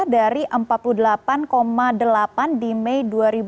dari empat puluh delapan delapan di mei dua ribu dua puluh